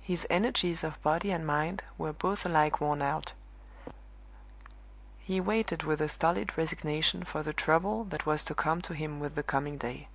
His energies of body and mind were both alike worn out; he waited with a stolid resignation for the trouble that was to come to him with the coming day.